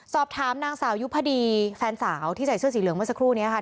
สอบถามนางสาวยุพดีแฟนสาวที่ใส่เสื้อสีเหลืองเมื่อสักครู่นี้ค่ะ